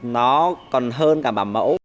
nó còn hơn cả bà mẫu